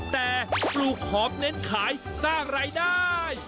แต่ปลูกหอมเน้นขายสร้างรายได้